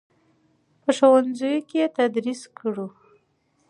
په ښوونځیو کې یې تدریس کړو.